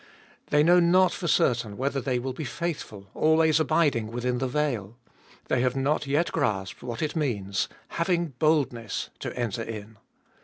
They know not for certain whether they will be faithful, always abiding within the veil. They have not yet grasped what it means — having boldness to enter in.